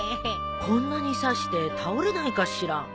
こんなに差して倒れないかしら？